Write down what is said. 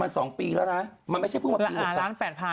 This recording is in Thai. มันสองปีแล้วนะมันไม่ใช่เพิ่งมาปีหกพันหลายล้านแปดพัน